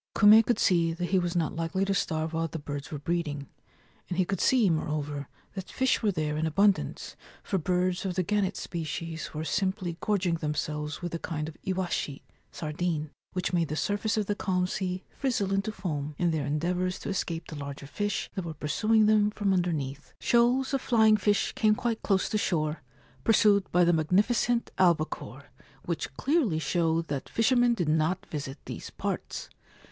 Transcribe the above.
Kume could see that he was not likely to starve while the birds were breeding, and he could see, more over, that fish were there in abundance, for birds of the gannet species were simply gorging themselves with a kind of iwashi (sardine), which made the surface of the calm sea frizzle into foam in their endeavours to 170 The King of Torijima escape the larger fish that were pursuing them from underneath. Shoals of flying fish came quite close to shore, pursued by the magnificent albacore ; which clearly showed that fishermen did not visit these parts.